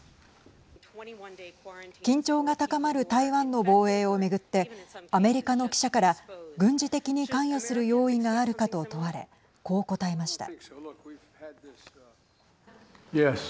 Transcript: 緊張が高まる台湾の防衛をめぐってアメリカの記者から軍事的に関与する用意があるかと問われこう答えました。